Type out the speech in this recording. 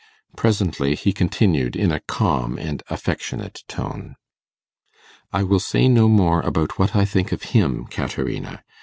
Presently he continued in a calm and affectionate tone. 'I will say no more about what I think of him, Caterina.